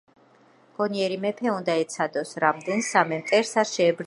გონიერი მეფე უნდა ეცადოს, რამდენსამე მტერს არ შეებრძოლოს ერთად.